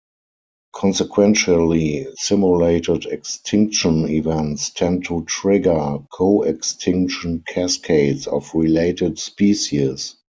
Consequentially, simulated extinction events tend to trigger coextinction cascades of related species.